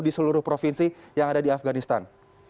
di seluruh provinsi yang ada di afganistan